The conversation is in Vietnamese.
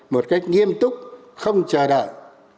một cách nghiêm túc không chờ đợi